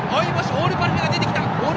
オールパルフェが出てきた！